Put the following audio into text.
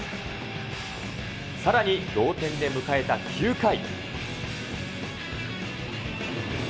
さらに同点で迎えた９回。